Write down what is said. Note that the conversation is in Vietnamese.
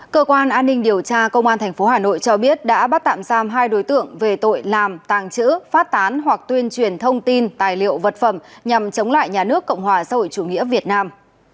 cơ quan an ninh điều tra công an tp hà nội cho biết đã bắt tạm giam hai đối tượng về tội làm tàng trữ phát tán hoặc tuyên truyền thông tin tài liệu vật phẩm nhằm chống lại nhà nước cộng hòa xã hội chủ nghĩa việt nam